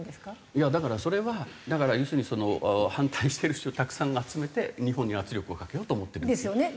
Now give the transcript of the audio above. いやだからそれは要するに反対してる人をたくさん集めて日本に圧力をかけようと思ってるんです。ですよね。